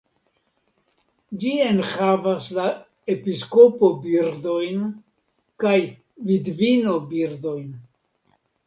Ĝi enhavas la "episkopo-birdojn" kaj "vidvino-birdojn".